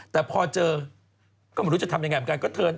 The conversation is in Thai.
แต่พอเจอก็ไม่รู้จะทำยังไงเหมือนกัน